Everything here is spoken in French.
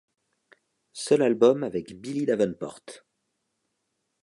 Seul album avec Billy Davenport.